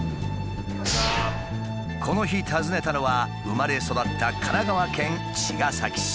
この日訪ねたのは生まれ育った神奈川県茅ヶ崎市。